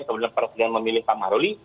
kemudian presiden memilih pak maruli